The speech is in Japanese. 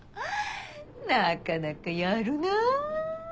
なかなかやるなぁ。